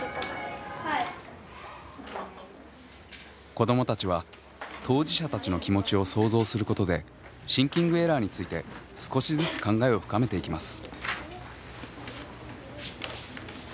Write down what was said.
子どもたちは当事者たちの気持ちを想像することでシンキングエラーについて少しずつ考えを深めていきます。